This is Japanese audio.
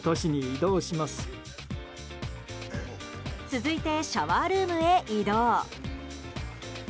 続いてシャワールームへ移動。